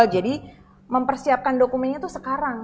jadi mempersiapkan dokumennya itu sekarang